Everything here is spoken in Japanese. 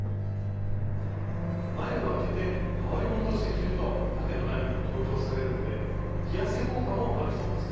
前を開けてはおりものとして着ると縦のラインが強調されるので着痩せ効果もあるそうですよ。